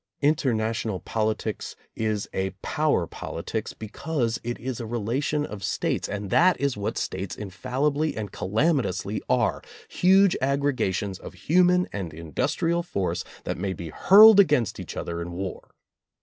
Interna tional politics is a "power politics" because it is a relation of States and that is what States infal libly and calamitously are, huge aggregations of human and industrial force that may be hurled against each other in war.